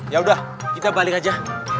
yaudah kita balik aja